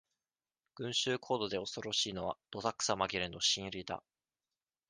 群衆行動で恐ろしいのは、どさくさまぎれの心理だ。